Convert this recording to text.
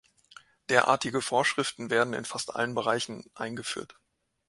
Derartige Vorschriften werden in fast allen Bereichen eingeführt.